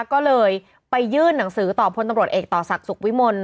ก็เลยไปยื่นหนังสือต่อพลตำรวจเอกต่อศักดิ์สุขวิมล